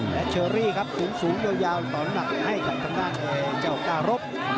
และเชอรี่ครับสูงยาวต่อหนักให้กับทางด้านเจ้าการบ